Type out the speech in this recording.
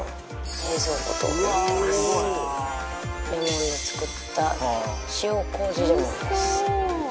レモンで作った塩麹レモンです。